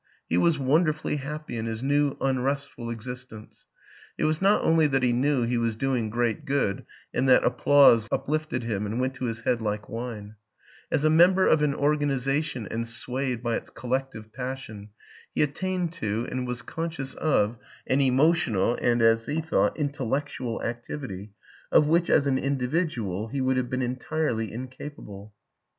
He was wonderfully happy in his new, unrestful ex istence ; it was not only that he knew he was doing great good and that applause uplifted him and went to his head like wine; as a member of an organization and swayed by its collective passion, he attained to, and was conscious of, an emotional (and, as he thought, intellectual) activity of which as an individual he would have been entirely in capable.